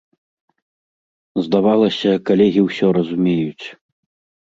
Здавалася, калегі ўсё разумеюць.